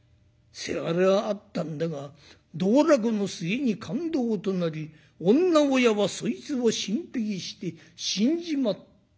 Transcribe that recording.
伜はあったんだが道楽の末に勘当となり女親はそいつを心配して死んじまった。